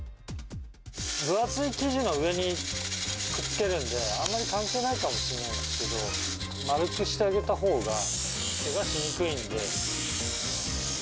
分厚い生地の上にくっつけるんで、あまり関係ないかもしれないですけど、丸くしてあげたほうがけがしにくいんで。